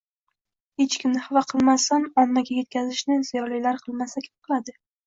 hech kimni xafa qilmasdan ommaga yetkazishni ziyolilar qilmasa kim qiladi?